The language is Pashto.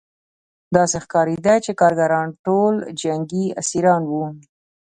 داسې ښکارېده چې کارګران ټول جنګي اسیران وو